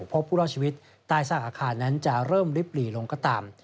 ผู้รอดชีวิตใต้ซากอาคารนั้นจะเริ่มลิบหลีลงก็ตาม